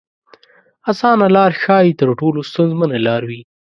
اسانه لار ښايي تر ټولو ستونزمنه لار وي.